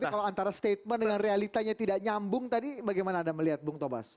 tapi kalau antara statement dengan realitanya tidak nyambung tadi bagaimana anda melihat bung tobas